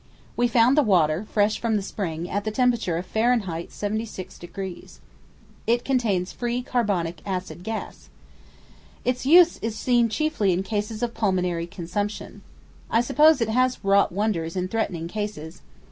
We found the water, fresh from the spring, at the temperature of Fahrenheit 76°. It contains free carbonic acid gas. Its use is seen chiefly in cases of pulmonary consumption. I suppose it has wrought wonders in threatening cases.